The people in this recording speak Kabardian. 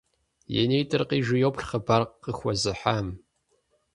И нитӏыр къижу йоплъ хъыбар къыхуэзыхьам.